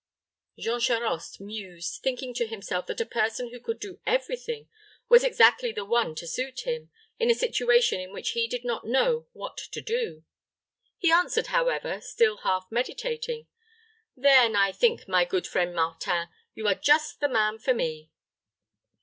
Jean Charost mused, thinking to himself that a person who could do every thing was exactly the one to suit him, in a situation in which he did not know what to do. He answered, however, still half meditating, "Then I think, my good friend Martin, you are just the man for me."